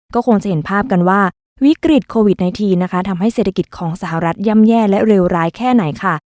ก็คงจะเห็นภาพกันว่าวิกฤตโควิด๑๙นะคะทำให้เศรษฐกิจของสหรัฐย่ำแย่และเลวร้ายแค่ไหนค่ะ